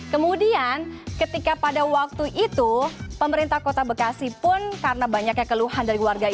kemudian ketika pada waktu itu pemerintah kota bekasi pun karena banyaknya keluhan dari warga ini